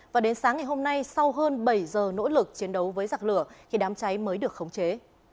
và đến sáng ngày hôm nay sau hơn bảy giờ nỗ lực chiến đấu với giặc lửa thì đám cháy mới được khống chế